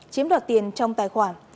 chiếm đọt tiền trong tài khoản